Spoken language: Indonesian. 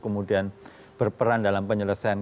kemudian berperan dalam penyelesaian